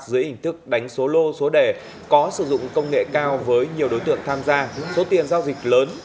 dưới hình thức đánh số lô số đẻ có sử dụng công nghệ cao với nhiều đối tượng tham gia số tiền giao dịch lớn